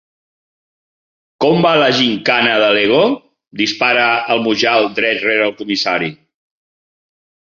Com va la gimcana de L'Ego? —dispara el Mujal, dret rere el comissari.